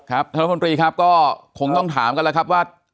ท่านรัฐมนตรีครับก็คงต้องถามกันแล้วครับว่า